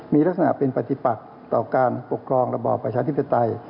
มีลักษณะเป็นปฏิบัติต่อการปกครองระบอบประชาธิปไตย